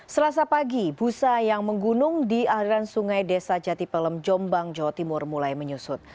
selasa pagi busa yang menggunung di aliran sungai desa jati pelem jombang jawa timur mulai menyusut